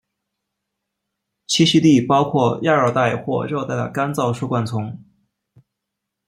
栖息地包括亚热带或热带的干燥疏灌丛。